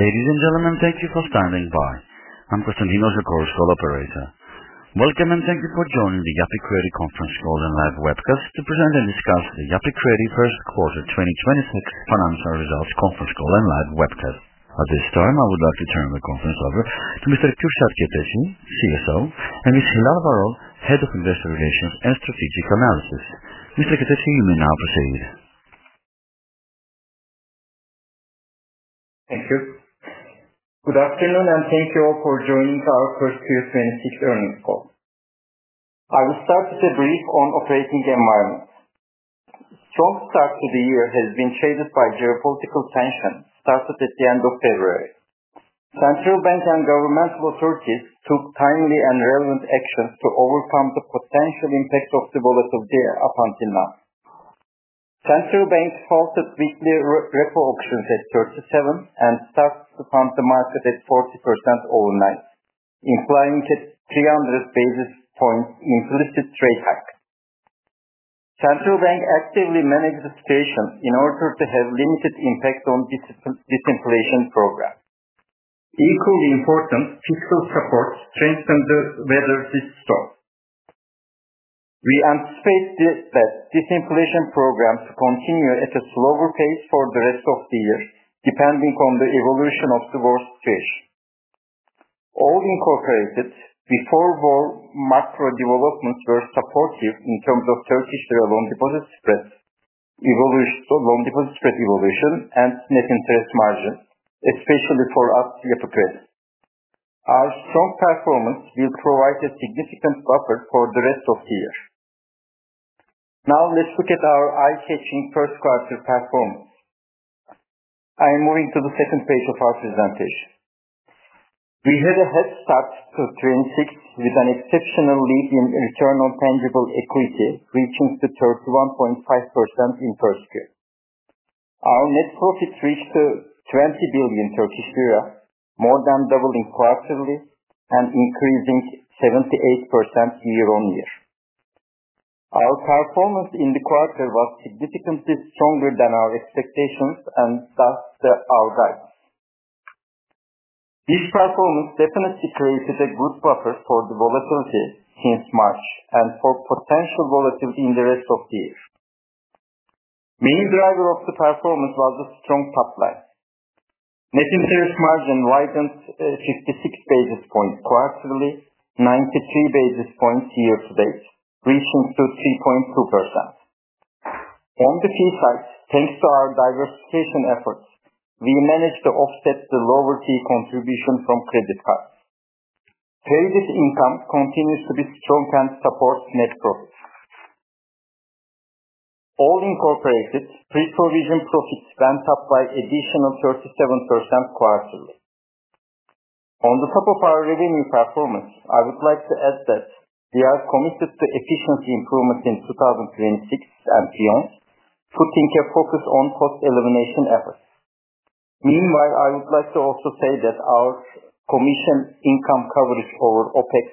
Ladies and gentlemen, thank you for standing by. I'm Constantinos, your call's call operator. Welcome, and thank you for joining the Yapı Kredi Conference Call and Live Webcast to present and discuss the Yapı Kredi first quarter 2026 financial results conference call and live webcast. At this time, I would like to turn the conference over to Mr. Kürşat Çetinkaya, CFO, and Ms. Hilal Varol, Head of Investor Relations and Strategic Analysis. Mr. Çetinkaya, you may now proceed. Thank you. Good afternoon, thank you all for joining our first quarter 2026 earnings call. I will start with a brief on operating environment. Strong start to the year has been traded by geopolitical tension started at the end of February. Central bank and governmental authorities took timely and relevant actions to overcome the potential impact of the volatility up until now. Central bank halted weekly repo auctions at 37% and starts to fund the market at 40% overnight, implying a 300 basis points inclusive trade tax. Central bank actively managed the situation in order to have limited impact on Disinflation Program. Equally important, fiscal support strengthened the welfare system. We anticipate that Disinflation Programs to continue at a slower pace for the rest of the year, depending on the evolution of the war situation. All incorporated before war macro developments were supportive in terms of Turkish lira long deposit spread evolution and net interest margin, especially for Yapı Kredi. Our strong performance will provide a significant buffer for the rest of the year. Let's look at our eye-catching first quarter performance. I am moving to the second page of our presentation. We had a head start to 2026 with an exceptional lead in return on tangible equity, reaching to 31.5% in first quarter. Our net profit reached to 20 billion Turkish lira, more than doubling quarterly and increasing 78% year-on-year. Our performance in the quarter was significantly stronger than our expectations and thus our guides. This performance definitely created a good buffer for the volatility since March and for potential volatility in the rest of the year. Main driver of the performance was a strong top line. Net interest margin widened, 56 basis points quarterly, 93 basis points year to date, reaching to 3.2%. On the fee side, thanks to our diversification efforts, we managed to offset the lower fee contribution from credit cards. Trade income continues to be strong and supports net profits. All incorporated pre-provision profits went up by additional 37% quarterly. On the top of our revenue performance, I would like to add that we are committed to efficiency improvement in 2026 and beyond, putting a focus on cost elimination efforts. Meanwhile, I would like to also say that our commission income coverage over OpEx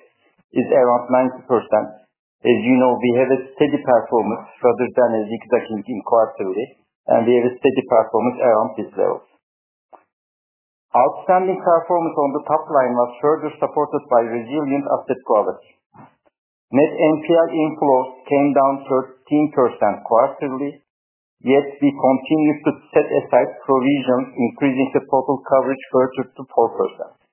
is around 90%. As you know, we have a steady performance rather than a reduction quarterly, and we have a steady performance around this level. Outstanding performance on the top line was further supported by resilient asset quality. Net NPL inflows came down 13% quarterly, yet we continued to set aside provision, increasing the total coverage further to 4%.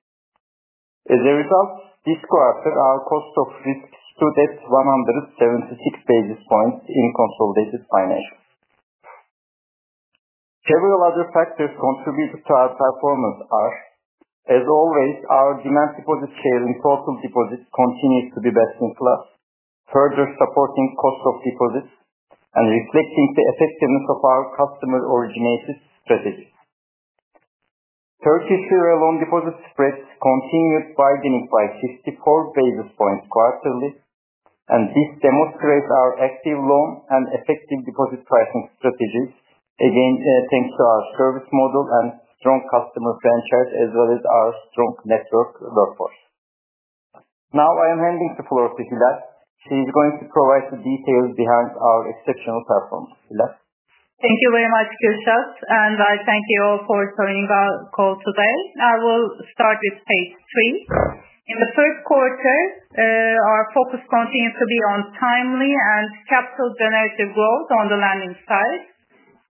As a result, this quarter, our cost of risks stood at 176 basis points in consolidated financials. Several other factors contributed to our performance are: As always, our demand deposit share in total deposits continues to be best in class, further supporting cost of deposits and reflecting the effectiveness of our customer origination strategy. Turkish lira long deposit spreads continued widening by 54 basis points quarterly, and this demonstrates our active loan and effective deposit pricing strategies, again, thanks to our service model and strong customer franchise as well as our strong network workforce. Now I am handing the floor to Hilal. She's going to provide the details behind our exceptional performance. Hilal. Thank you very much, Kürşat, and I thank you all for joining our call today. I will start with page three. In the first quarter, our focus continued to be on timely and capital generative growth on the lending side.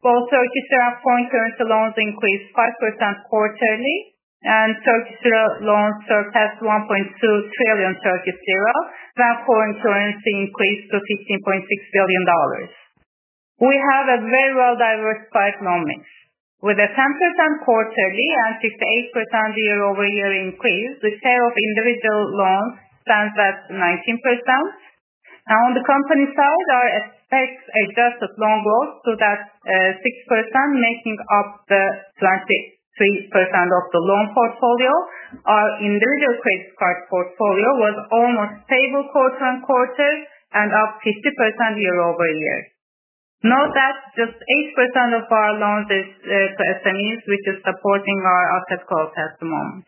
Both Turkish lira foreign currency loans increased 5% quarterly, and Turkish lira loans surpassed 1.2 trillion, while foreign currency increased to $15.6 billion. We have a very well-diversified loan mix. With a 10% quarterly and 58% year-over-year increase, the share of individual loans stands at 19%. Now, on the company side, our effects adjusted loan growth stood at 6%, making up the 23% of the loan portfolio. Our individual credit card portfolio was almost stable quarter-on-quarter and up 50% year-over-year. Note that just 8% of our loans is to SMEs, which is supporting our asset quality at the moment.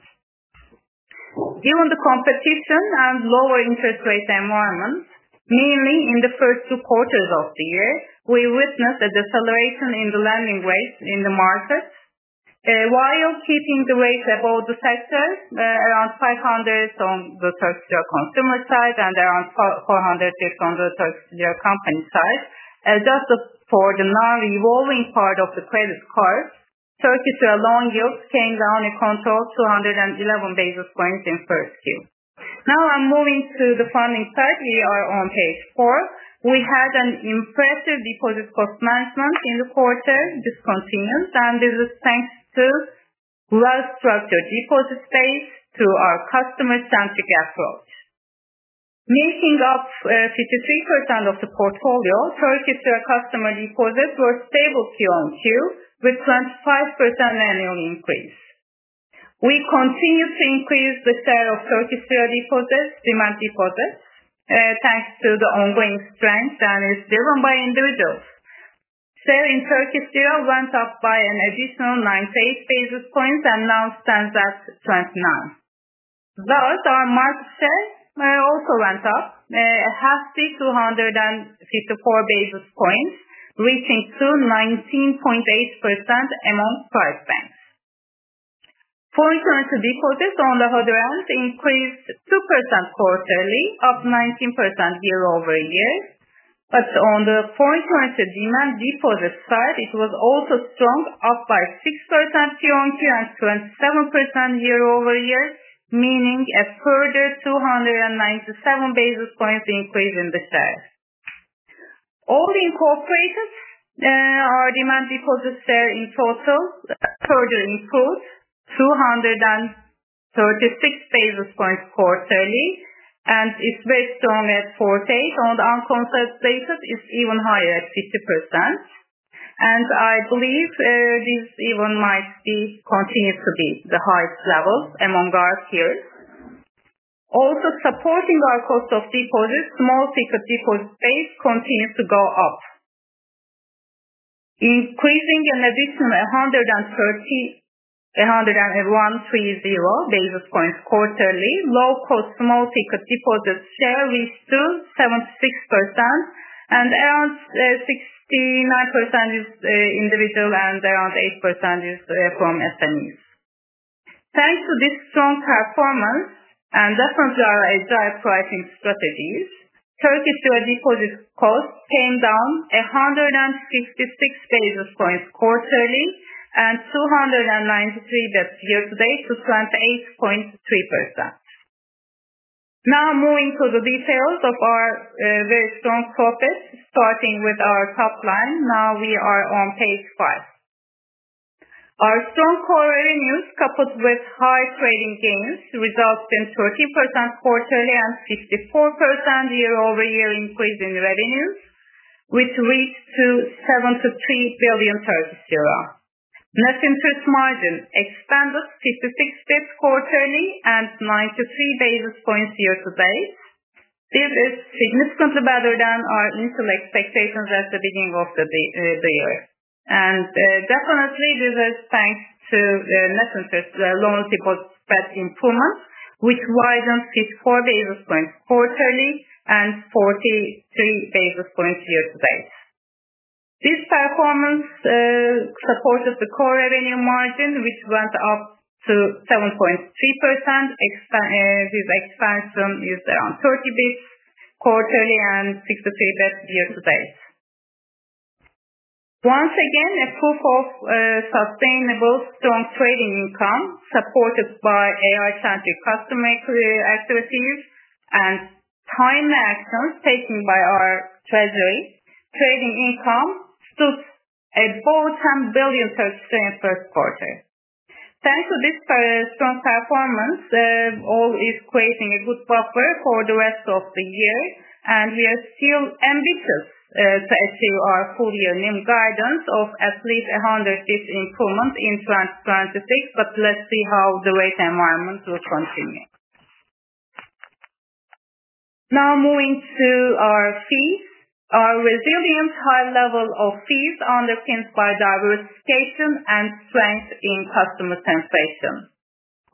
Given the competition and lower interest rate environment, mainly in the first two quarters of the year, we witnessed a deceleration in the lending rates in the market. While keeping the rates above the sector, around 500 basis points on the TRY consumer side and around 400 basis points on the TRY company side. Just for the non-evolving part of the credit card, TRY loan yield came down and controlled 211 basis points in 1Q. I'm moving to the funding side. We are on page four. We had an impressive deposit cost management in the quarter this continuance. This is thanks to well-structured deposit base through our customer-centric approach. Making up 53% of the portfolio, Turkish lira customer deposits were stable Q on Q with 25% annual increase. We continue to increase the sale of Turkish lira deposits, demand deposits, thanks to the ongoing strength that is driven by individuals. Sale in Turkish lira went up by an additional 98 basis points and now stands at 29%. Thus, our market share also went up a hefty 254 basis points, reaching to 19.8% among private banks. Foreign currency deposits, on the other hand, increased 2% quarterly, up 19% year-over-year. On the foreign currency demand deposit side, it was also strong, up by 6% Q-on-Q and 27% year-over-year, meaning a further 297 basis points increase in the sales. All the incorporated, our demand deposit share in total further improved 236 basis points quarterly, and it's very strong at 48%. On the unconsolidated basis, it's even higher at 50%. I believe, this even might be continue to be the highest level among our peers. Also supporting our cost of deposits, small ticket deposit base continues to go up. Increasing an additional 130 basis points quarterly, low-cost small ticket deposits share reached to 76% and around, 69% is, individual and around 8% is, from SMEs. Thanks to this strong performance and definitely our agile pricing strategies, Turkish lira deposit cost came down 166 basis points quarterly and 293 year-to-date to 28.3%. Moving to the details of our very strong profits, starting with our top line. We are on page five. Our strong core revenues, coupled with high trading gains, resulted in 30% quarterly and 64% year-over-year increase in revenues, which reached to TRY 7 billion-TRY 3 billion. Net interest margin expanded 56 basis points quarterly and 93 basis points year-to-date. This is significantly better than our initial expectations at the beginning of the year. Definitely this is thanks to net interest loan deposit spread improvement, which widened 54 basis points quarterly and 43 basis points year-to-date. This performance supported the core revenue margin, which went up to 7.3%. This expansion is around 30 basis points quarterly and 63 basis points year-to-date. Once again, a proof of sustainable strong trading income supported by AI-centric customer activities and timely actions taken by our treasury. Trading income stood at 4.10 billion in first quarter. Thanks to this strong performance, all is creating a good buffer for the rest of the year. We are still ambitious to achieve our full year NIM guidance of at least 100 basis points improvement in 2026. Let's see how the rate environment will continue. Now moving to our fees. Our resilient high level of fees underpinned by diversification and strength in customer penetration.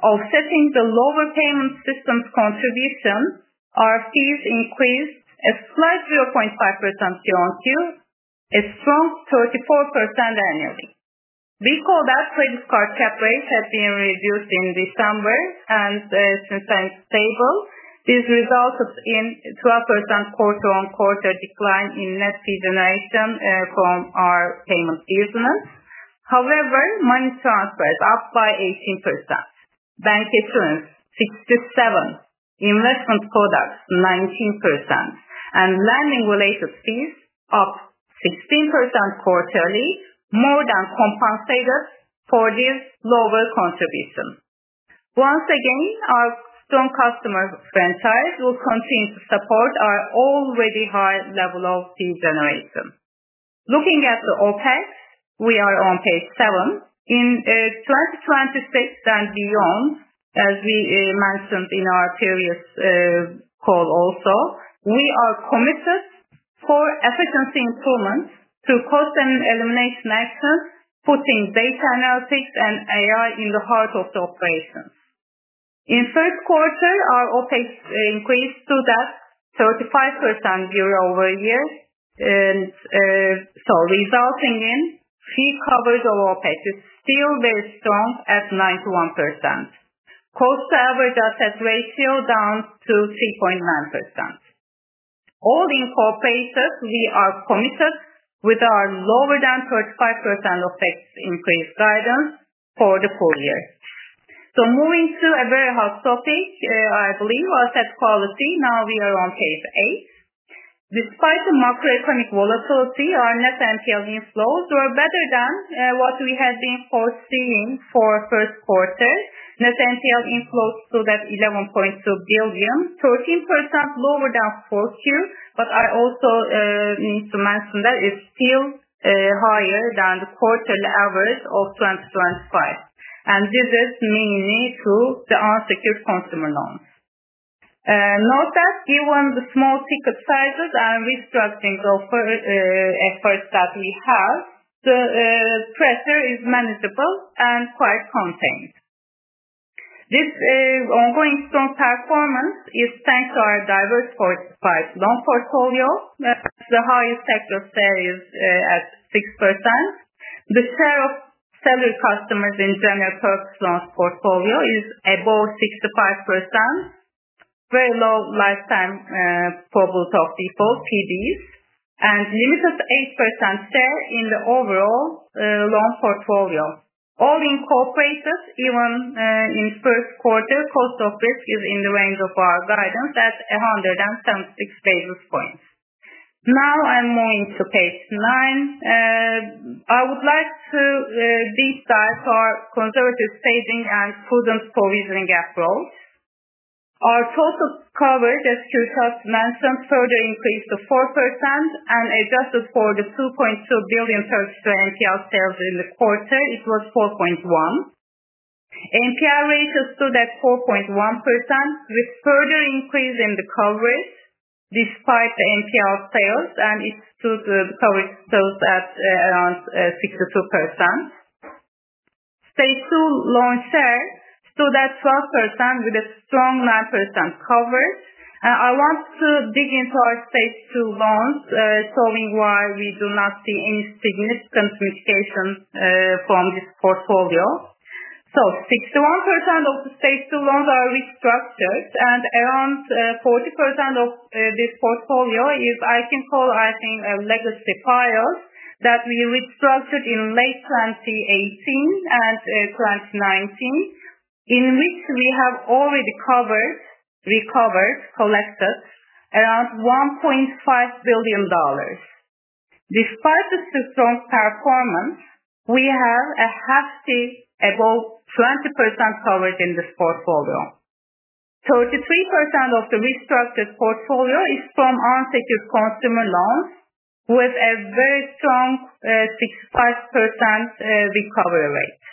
Offsetting the lower payment systems contribution, our fees increased a slight 0.5% Q-on-Q, a strong 34% annually. Recall that credit card cap rates had been reduced in December and since then stable. This resulted in 12% quarter-on-quarter decline in net fee generation from our payment business. Money transferred up by 18%. Bank issuance, 67%. Investment products, 19%. Lending-related fees up 16% quarterly, more than compensated for this lower contribution. Once again, our strong customer franchise will continue to support our already high level of fee generation. Looking at the OpEx, we are on page seven. In 2026 and beyond, as we mentioned in our previous call also, we are committed for efficiency improvements through cost and elimination action, putting data analytics and AI in the heart of the operations. In first quarter, our OpEx increased to that 35% year-over-year resulting in fee coverage over OpEx is still very strong at 91%. Cost-to-average asset ratio down to 3.9%. All the incorporations we are committed with our lower than 35% OpEx increase guidance for the full year. Moving to a very hot topic, I believe, asset quality. Now we are on page eight. Despite the macroeconomic volatility, our net NPL inflows were better than what we had been foreseeing for first quarter. Net NPL inflows stood at 11.2 billion, 13% lower than fourth year. I also need to mention that it's still higher than the quarterly average of 2025. This is mainly through the unsecured consumer loans. Note that given the small ticket sizes and restructuring offer efforts that we have, the pressure is manageable and quite contained. This ongoing strong performance is thanks to our diversified loan portfolio. The highest sector share is at 6%. The share of salary customers in general purpose loans portfolio is above 65%. Very low lifetime, probability of default, PDs, and limited 8% share in the overall loan portfolio. All the incorporations even, in first quarter cost of risk is in the range of our guidance at 126 basis points. Now I'm moving to page nine. I would like to deep dive our conservative staging and prudent provisioning approach. Our cost of coverage, as Kürşat Çetinkaya mentioned, further increased to 4% and adjusted for the 2.2 billion NPL sales in the quarter, it was 4.1%. NPL ratio stood at 4.1% with further increase in the coverage despite the NPL sales and it stood, the coverage stood at around 62%. Stage 2 loan share stood at 12% with a strong 9% coverage. I want to dig into our Stage 2 loans, showing why we do not see any significant mitigation from this portfolio. 61% of the Stage 2 loans are restructured and around 40% of this portfolio is, I can call, I think, a legacy file that we restructured in late 2018 and 2019, in which we have already recovered, collected around $1.5 billion. Despite the strong performance, we have a hefty above 20% coverage in this portfolio. 33% of the restructured portfolio is from unsecured consumer loans with a very strong 65% recovery rate.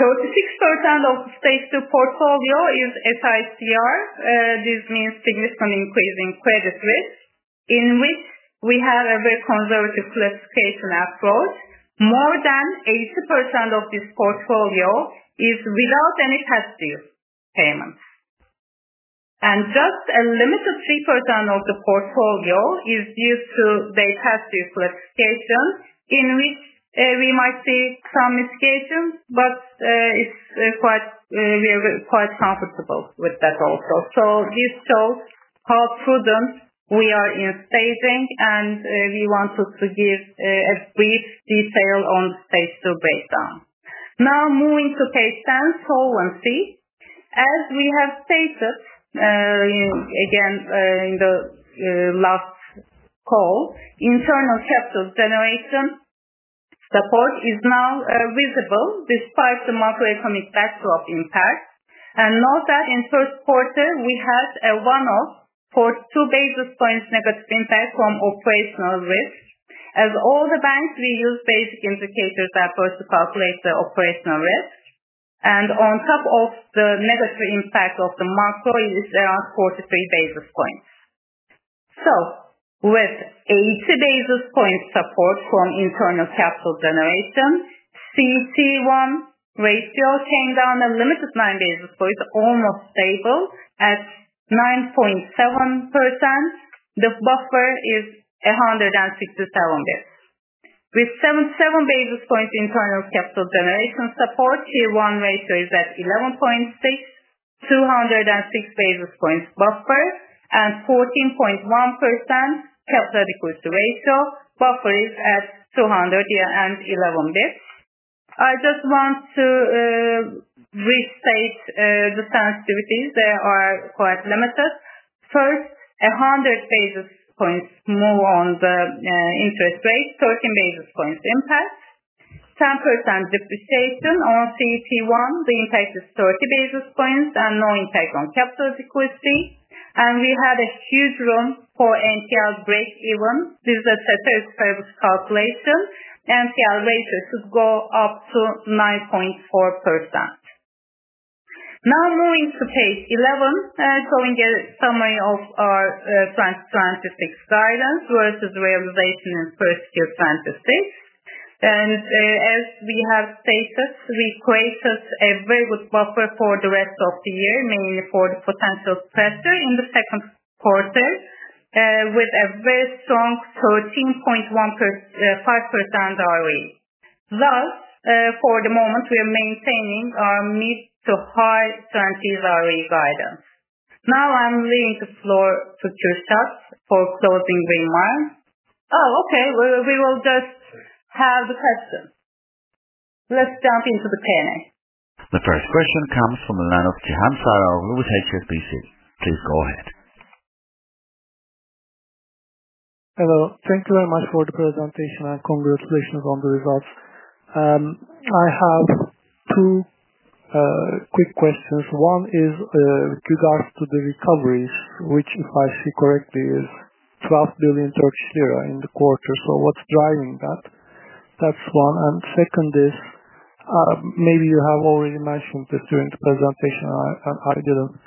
36% of the Stage 2 portfolio is SICR. This means significant increase in credit risk, in which we have a very conservative classification approach. More than 80% of this portfolio is without any past due payments. Just a limited 3% of the portfolio is due to day past due classification, in which we might see some mitigation, but it's quite, we are quite comfortable with that also. This shows how prudent we are in staging, and we wanted to give a brief detail on Stage 2 breakdown. Moving to page 10, solvency. As we have stated, in again, in the last call, internal capital generation support is now visible despite the macroeconomic backdrop impact. Note that in first quarter we had a one-off for 2 basis points negative impact from operational risk. As all the banks, we use basic indicators at first to calculate the operational risk. On top of the negative impact of the macro is around 43 basis points. With 80 basis points support from internal capital generation, CET1 ratio came down a limited 9 basis points, almost stable at 9.7%. The buffer is 167 basis points. With 7 basis points internal capital generation support, Tier 1 ratio is at 11.6%, 206 basis points buffer and 14.1% capital adequacy ratio buffer is at 211 basis points. I just want to restate the sensitivities. They are quite limited. First, 100 basis points move on the interest rate, 13 basis points impact. 10% depreciation on CET1, the impact is 30 basis points and no impact on capital adequacy. We had a huge room for NPL break-even. This is a third service calculation. NPL ratio could go up to 9.4%. Moving to page 11, showing a summary of our 2026 guidance versus realization in first year 2026. As we have stated, we created a very good buffer for the rest of the year, mainly for the potential pressure in the second quarter, with a very strong 13.5% ROE. Thus, for the moment we are maintaining our mid to high 20s ROE guidance. I'm leaving the floor to Kürşat Çetinkaya for closing remarks. Oh, okay. We will just have the questions. Let's jump into the Q&A. The first question comes from the line of Cihan Saral with HSBC. Please go ahead. Hello. Thank you very much for the presentation, congratulations on the results. I have two quick questions. One is regards to the recoveries, which if I see correctly, is 12 billion Turkish lira in the quarter. What's driving that? That's one. Second is, maybe you have already mentioned it during the presentation. I didn't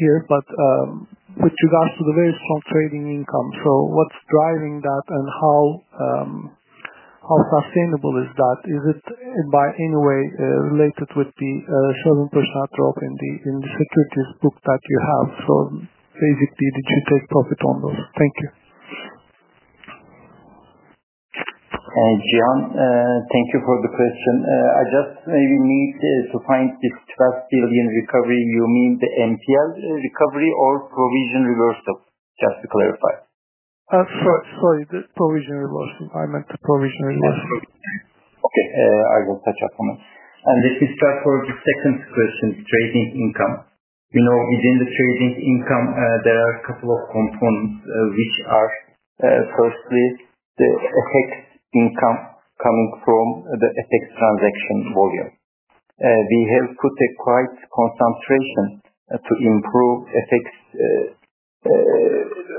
hear. With regards to the very strong trading income. What's driving that and how sustainable is that? Is it by any way related with the 7% drop in the securities book that you have? Basically, did you take profit on those? Thank you. Cihan, thank you for the question. I just need to find this Turkish lira billion recovery. You mean the NPL recovery or provision reversal? Just to clarify. Sorry, the provision reversal. I meant the provision reversal. Okay. I will touch up on it. If we start for the second question, trading income. You know, within the trading income, there are a couple of components, which are, firstly the FX income coming from the FX transaction volume. We have put a quite concentration to improve FX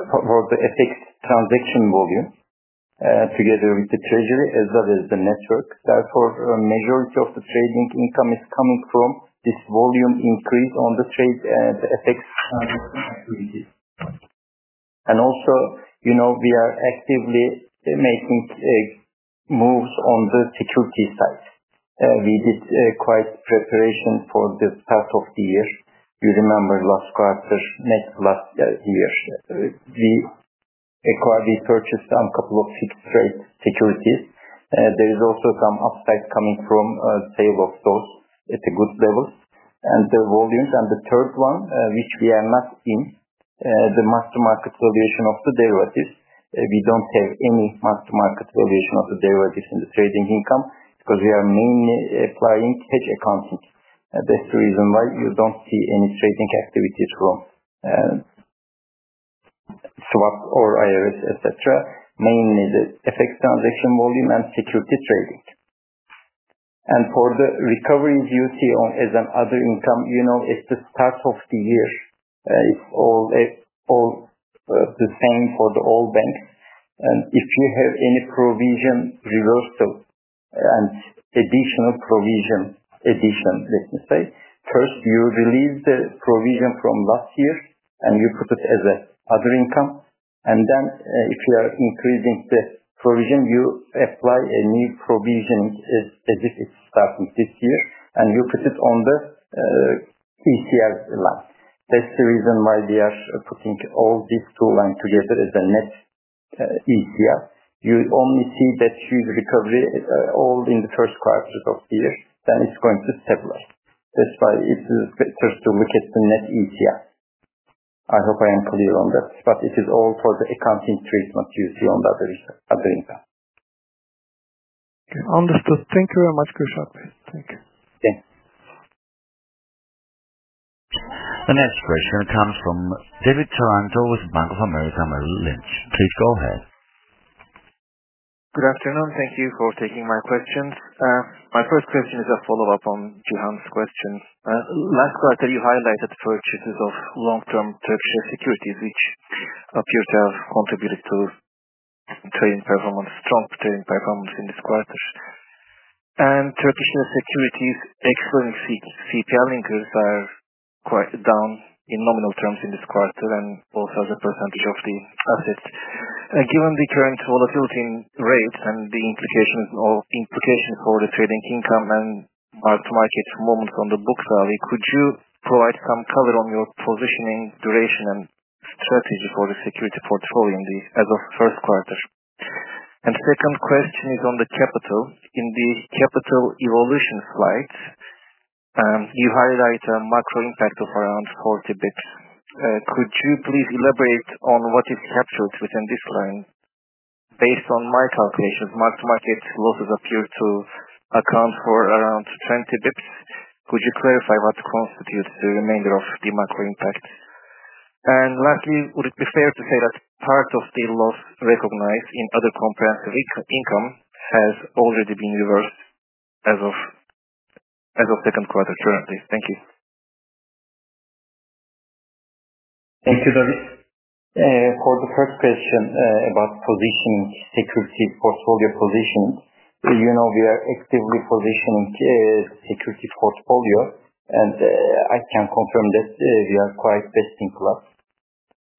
for the FX transaction volume, together with the treasury as well as the network. Therefore, majority of the trading income is coming from this volume increase on the trade, the FX activities. Also, you know, we are actively making moves on the security side. We did quite preparation for the start of the year. You remember last quarter, mid last year, we acquired and purchased some couple of trade securities. There is also some upside coming from sale of those at a good level. The volumes and the third one, which we are not in, the mark-to-market valuation of the derivatives. We don't have any mark-to-market valuation of the derivatives in the trading income because we are mainly applying hedge accounting. That's the reason why you don't see any trading activities from swap or IRS, et cetera, mainly the FX transaction volume and security trading. For the recovery you see on as an other income, you know, it's the start of the year. It's all the same for the whole bank. If you have any provision reversal and additional provision addition, let me say, first you relieve the provision from last year, and you put it as a other income. If you are increasing the provision, you apply a new provision as if it's starting this year, and you put it on the ECL line. That's the reason why we are putting all these two lines together as a net ECL. You only see that huge recovery all in the first quarter of the year, then it's going to stabilize. That's why it is better to look at the net ECL. I hope I am clear on that, it is all for the accounting treatment you see on the other side, other income. Understood. Thank you very much, Kürşat. Thank you. Yeah. The next question comes from David Taranto with Bank of America Merrill Lynch. Please go ahead. Good afternoon. Thank you for taking my questions. My first question is a follow-up on Cihan's question. Last quarter you highlighted purchases of long-term Turkish securities, which appear to have contributed to trading performance, strong trading performance in this quarter. Turkish securities, excluding CPI linkers, are quite down in nominal terms in this quarter and also as a percentage of the assets. Given the current volatility in rates and the implications for the trading income and mark-to-market movements on the books, [Ali], could you provide some color on your positioning duration and strategy for the security portfolio as of first quarter? Second question is on the capital. In the capital evolution slide, you highlight a macro impact of around 40 basis points. Could you please elaborate on what is captured within this line? Based on my calculations, mark-to-market losses appear to account for around 20 basis points. Could you clarify what constitutes the remainder of the macro impact? Lastly, would it be fair to say that part of the loss recognized in other comprehensive income has already been reversed as of second quarter, currently? Thank you. Thank you, David. For the first question about positioning security portfolio positioning. You know, we are actively positioning security portfolio, and I can confirm that we are quite best in class.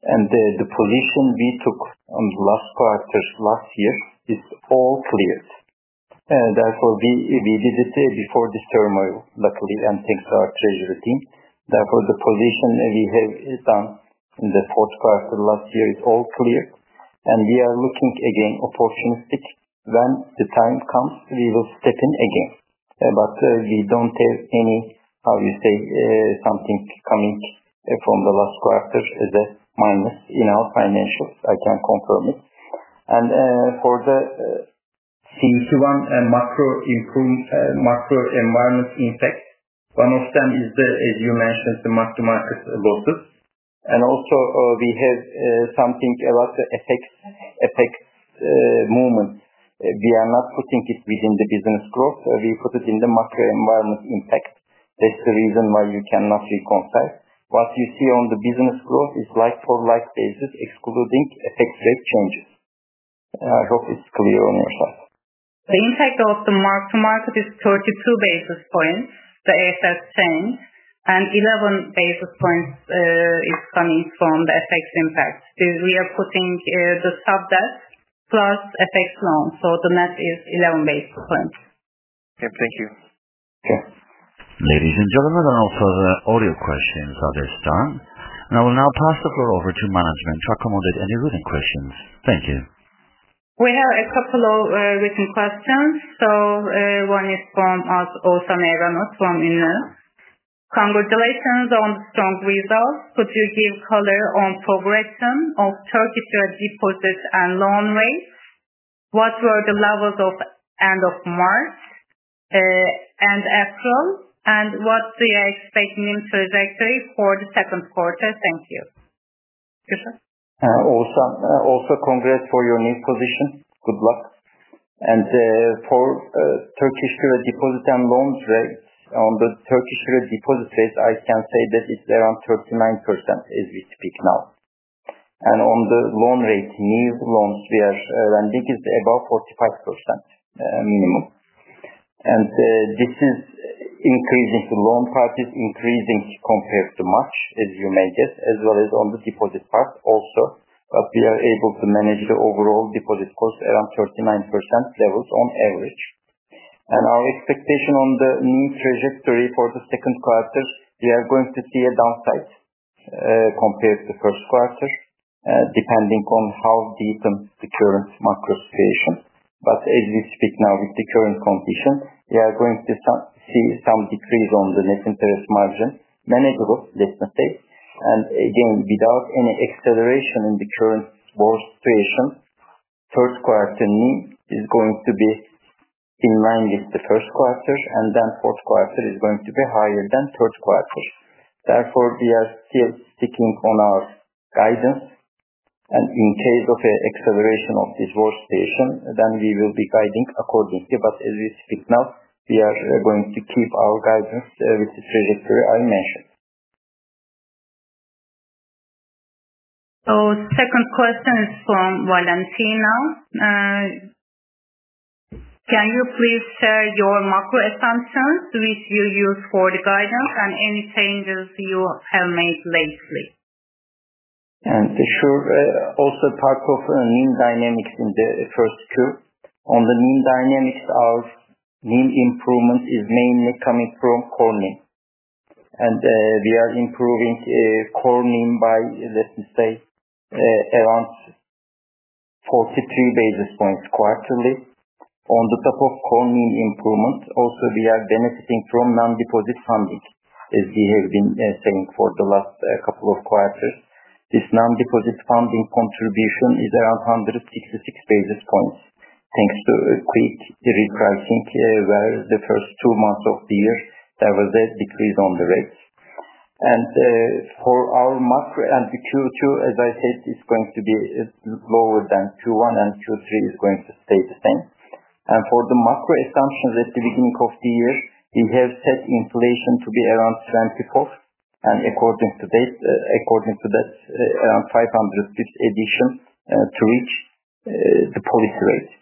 The position we took on the last quarter, last year is all cleared. We did it before this turmoil, luckily, and thanks to our treasury team. The position that we have done in the fourth quarter last year is all clear, and we are looking again opportunistic. When the time comes, we will step in again. We don't have any, how you say, something coming from the last quarter as a minus in our financials. I can confirm it. For the [Q2] one and macro environment impact, one of them is the, as you mentioned, the mark-to-market losses. Also, we have something about the FX movement. We are not putting it within the business growth. We put it in the macro environment impact. That's the reason why you cannot reconcile. What you see on the business growth is like-for-like basis, excluding FX rate changes. I hope it's clear on your side. The impact of the mark-to-market is 32 basis points, the AFS chain, and 11 basis points is coming from the FX impact. We are putting the subdebt plus FX loan, the net is 11 basis points. Yeah. Thank you. Yeah. Ladies and gentlemen, all further audio questions are thus done. I will now pass the floor over to management to accommodate any written questions. Thank you. We have a couple of written questions. One is from Osa Meranos from INA. Congratulations on the strong results. Could you give color on progression of Turkish lira deposits and loan rates? What were the levels of end of March and April? What we are expecting in trajectory for the second quarter? Thank you. Kürşat. Osa congrats for your new position. Good luck. For Turkish lira deposit and loans rate, on the Turkish lira deposit rates, I can say that it's around 39% as we speak now. On the loan rate, new loans, we are lending is above 45% minimum. This is increasing. The loan part is increasing compared to March, as you may guess, as well as on the deposit part also. We are able to manage the overall deposit cost around 39% levels on average. Our expectation on the NIM trajectory for the second quarter, we are going to see a downside compared to first quarter, depending on how deep the current macro situation. As we speak now with the current condition, we are going to see some decrease on the net interest margin. Manageable, let me say. Again, without any acceleration in the current war situation, third quarter NIM is going to be in line with the first quarter, and fourth quarter is going to be higher than third quarter. Therefore, we are still sticking on our guidance. In case of a acceleration of this war situation, then we will be guiding accordingly. As we speak now, we are going to keep our guidance with the trajectory I mentioned. Second question is from Valentino. Can you please share your macro assumptions which you use for the guidance and any changes you have made lately? Sure. Also part of NIM dynamics in the 1Q. On the NIM dynamics, our NIM improvement is mainly coming from core NIM. we are improving core NIM by, let me say, around 43 basis points quarterly. On the top of core NIM improvement, also we are benefiting from non-deposit funding, as we have been saying for the last two quarters. This non-deposit funding contribution is around 166 basis points, thanks to a quick re-pricing, where the first two months of the year, there was a decrease on the rates. for our macro and the Q2, as I said, it's going to be lower than Q1 and Q3 is going to stay the same. For the macro assumption at the beginning of the year, we have set inflation to be around 24%. According to date, according to that, 500 pip addition, to reach, the policy rates.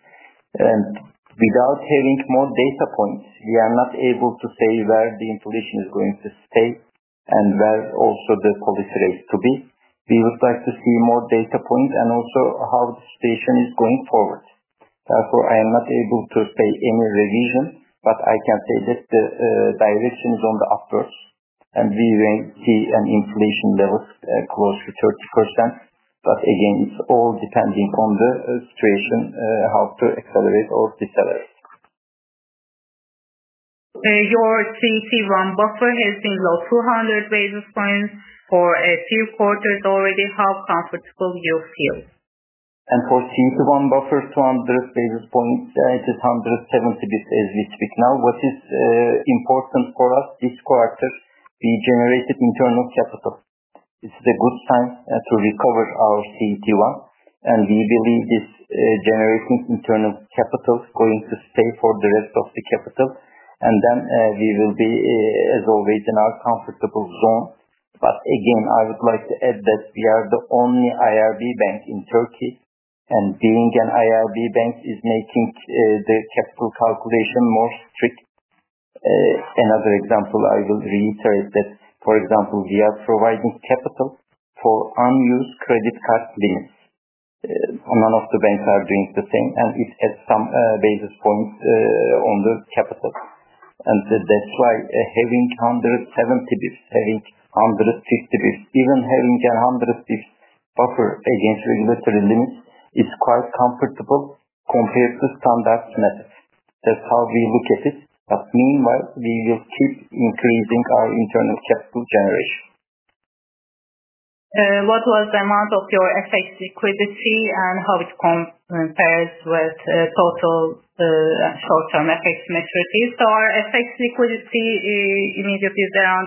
Without having more data points, we are not able to say where the inflation is going to stay and where also the policy rates to be. We would like to see more data points and also how the situation is going forward. Therefore, I am not able to say any revision, but I can say that the direction is on the upwards and we will see an inflation levels, close to 30%. Again, it's all depending on the situation, how to accelerate or decelerate. Your CET1 buffer has been below 200 basis points for a few quarters already. How comfortable do you feel? For CET1 buffer, 200 basis points, it is 170 basis points as we speak now. What is important for us, this quarter, we generated internal capital. It's a good time to recover our CET1. We believe it's generating internal capital going to stay for the rest of the capital. Then we will be, as always, in our comfortable zone. Again, I would like to add that we are the only IRB bank in Turkey, and being an IRB bank is making the capital calculation more strict. Another example I will reiterate that, for example, we are providing capital for unused credit card limits. None of the banks are doing the same, and it has some basis points on the capital. That's why having 170 basis points, having 150 basis points, even having 100 basis points buffer against regulatory limits is quite comfortable compared to standard net. That's how we look at it. Meanwhile, we will keep increasing our internal capital generation. What was the amount of your FX liquidity and how it compares with total short-term FX maturities? Our FX liquidity immediately is around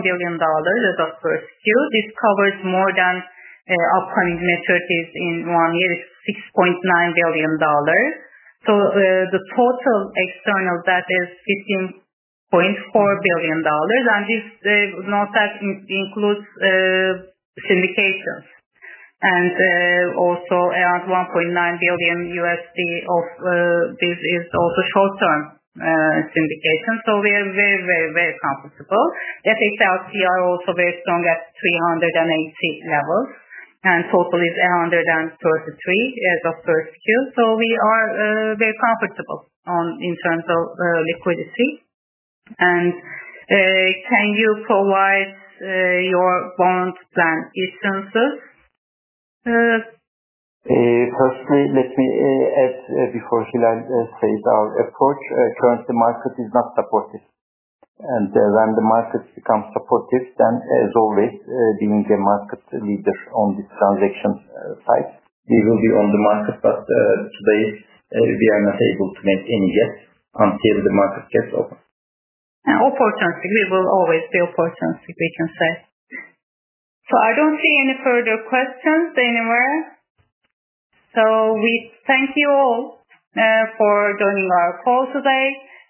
$11 billion as of 1Q. This covers more than upcoming maturities in one year, it's $6.9 billion. The total external debt is $15.4 billion. This notes that includes syndications. Also around $1.9 billion USD of this is also short-term syndication. We are very, very, very comfortable. FX LCR also very strong at 380 levels. Total is 133 as of 1Q. We are very comfortable in terms of liquidity. Can you provide your bond plan instances? Firstly, let me add before Hilal says our approach. Currently market is not supportive. When the markets become supportive, then as always, being a market leader on this transaction side, we will be on the market. Today, we are not able to make any guess until the market gets open. Opportunistic. We will always be opportunistic, we can say. I don't see any further questions anywhere. We thank you all for joining our call today.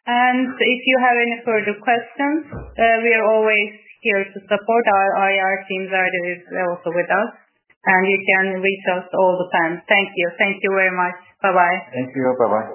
If you have any further questions, we are always here to support. Our IR teams are there is also with us, and you can reach us all the time. Thank you. Thank you very much. Bye-bye. Thank you. Bye-bye.